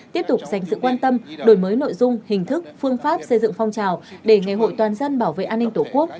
tiếp tục dành sự quan tâm đổi mới nội dung hình thức phương pháp xây dựng phong trào để ngày hội toàn dân bảo vệ an ninh tổ quốc